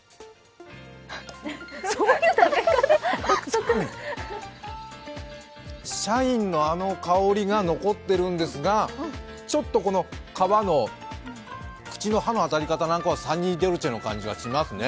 うん、シャインのあの香りが残ってるんですがちょっと皮の口の歯の当たり方なんかはサニードルチェの感じがしますね。